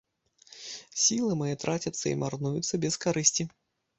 Сілы мае трацяцца і марнуюцца без карысці.